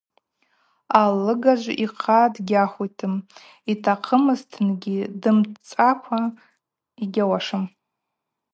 Алыгажв йхъа дгьахвитым, йтахъымызтынгьи дымцакӏва йгьауашым.